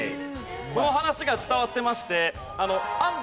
この話が伝わってまして安藤